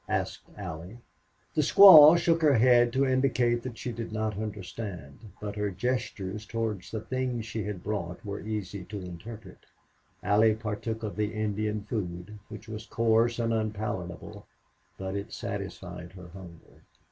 asked Allie. The squaw shook her head to indicate she did not understand, but her gestures toward the things she had brought were easy to interpret. Allie partook of the Indian food, which was coarse and unpalatable, but it satisfied her hunger.